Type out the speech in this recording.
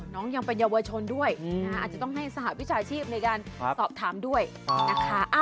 ยังเป็นเยาวชนด้วยอาจจะต้องให้สหวิชาชีพในการสอบถามด้วยนะคะ